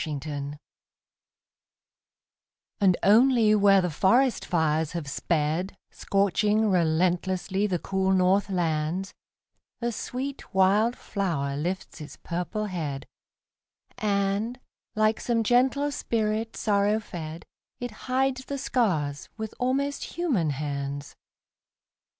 FIRE FLOWERS And only where the forest fires have sped, Scorching relentlessly the cool north lands, A sweet wild flower lifts its purple head, And, like some gentle spirit sorrow fed, It hides the scars with almost human hands.